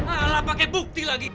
alah pakai bukti lagi